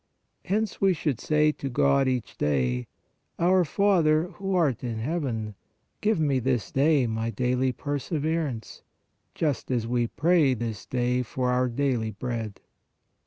Hence we should say to God each day :" Our Father, who art in heaven, give me this day my daily perseverance," just as we pray " this day for our daily bread."